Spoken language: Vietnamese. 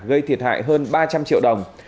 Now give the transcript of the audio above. gây thiệt hại hơn ba trăm linh triệu đồng